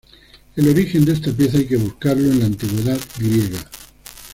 El origen de esta pieza hay que buscarlo en la antigüedad griega.